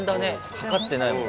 量ってないもん。